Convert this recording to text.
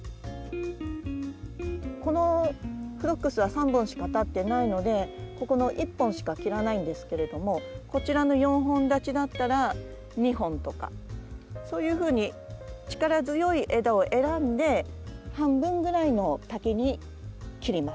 このフロックスは３本しか立ってないのでここの１本しか切らないんですけれどもこちらの４本立ちだったら２本とかそういうふうに力強い枝を選んで半分ぐらいの丈に切ります。